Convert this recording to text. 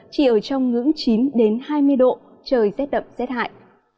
chỉ ở trong ngưỡng chín hai mươi độ trời rét đậm rét hại